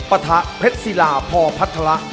ปะทะเพชรศิลาพอพัฒระ